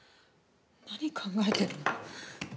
何、考えてるの。